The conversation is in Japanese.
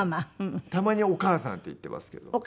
たまに「お母さん」って言ってますけど。